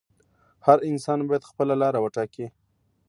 هر انسان باید خپله لاره وټاکي.